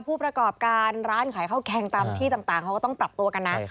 ผู้ประกอบการร้านขายข้าวแกงตามที่ต่างเขาก็ต้องปรับตัวกันนะ